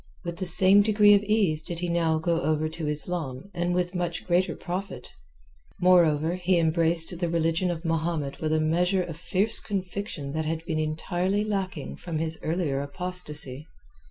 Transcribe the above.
With the same degree of ease did he now go over to Islam and with much greater profit. Moreover, he embraced the Religion of Mahomet with a measure of fierce conviction that had been entirely lacking from his earlier apostasy.